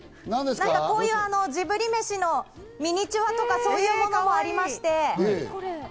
こういうジブリ飯のミニチュアとか、そういうものがありまして。